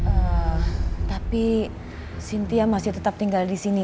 eee tapi sintia masih tetap tinggal di sini